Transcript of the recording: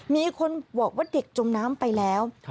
มีคนบอกว่าเด็กจมน้ำไปแล้ว